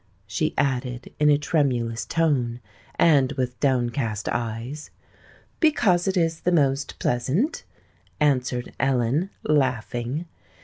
she added in a tremulous tone, and with downcast eyes. "Because it is the most pleasant," answered Ellen, laughing.